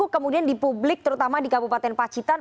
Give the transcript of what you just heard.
selamat sore mbak rifana